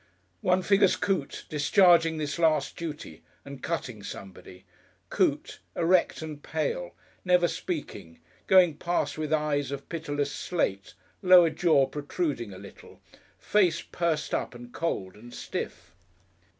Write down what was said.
One figures Coote discharging this last duty and cutting somebody Coote, erect and pale, never speaking, going past with eyes of pitiless slate, lower jaw protruding a little, face pursed up and cold and stiff....